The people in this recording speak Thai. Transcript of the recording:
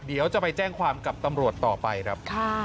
เดี๋ยวจะไปแจ้งความกับตำรวจต่อไปครับ